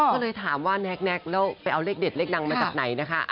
ก็เลยถามว่าแน็กแล้วไปเอาเลขเด็ดเลขดังมาจากไหนนะคะ